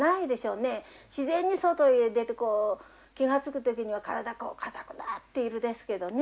自然に外へ出てこう気が付く時には体こう硬くなっているですけどね。